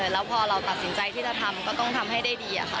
แล้วพอเราตัดสินใจที่จะทำก็ต้องทำให้ได้ดีค่ะ